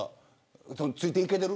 ついていけてる。